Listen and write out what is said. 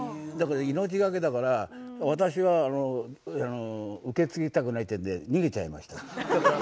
命がけだから私は受け継ぎたくないっていうんで逃げちゃいました。